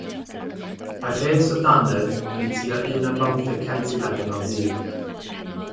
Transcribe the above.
Mae rhes y dannedd yn tua un ar bymtheg centimetr mewn hyd.